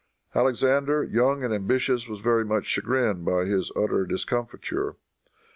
Alexander, young and ambitions, was very much chagrined by this utter discomfiture.